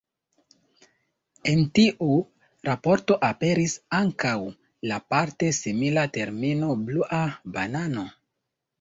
En tiu raporto aperis ankaŭ la parte simila termino Blua Banano.